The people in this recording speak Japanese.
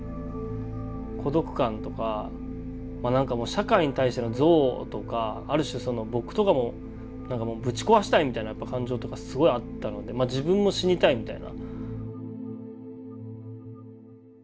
孤独感とかなんかもう社会に対しての憎悪とかある種その僕とかもぶち壊したいみたいな感情とかすごいあったのでま自分も死にたいみたいな。